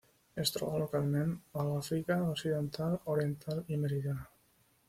Es troba localment a l'Àfrica Occidental, Oriental i Meridional.